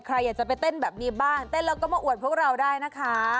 ใครอยากจะไปเต้นแบบนี้บ้างเต้นแล้วก็มาอวดพวกเราได้นะคะ